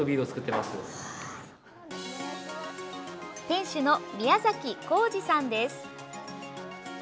店主の宮崎浩司さんです。